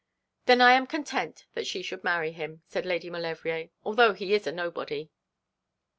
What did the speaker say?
'Then I am content that she should marry him,' said Lady Maulevrier, 'although he is a nobody.'